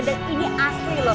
dan ini asli loh